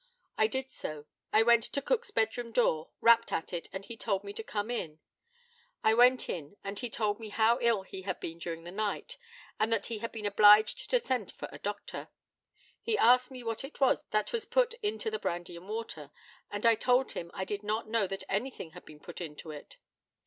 I did so. I went to Cook's bed room door, rapped at it, and he told me to come in. I went in, and he told me how ill he had been during the night, and that he had been obliged to send for a doctor. He asked me what it was that was put into the brandy and water, and I told him I did not know that anything had been put into it.